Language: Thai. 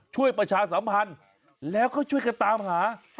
ประชาสัมพันธ์แล้วก็ช่วยกันตามหา